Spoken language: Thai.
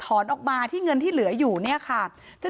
ตำรวจบอกว่าภายในสัปดาห์เนี้ยจะรู้ผลของเครื่องจับเท็จนะคะ